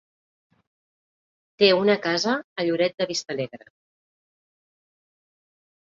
Té una casa a Lloret de Vistalegre.